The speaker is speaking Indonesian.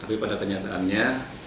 tapi pada kenyataannya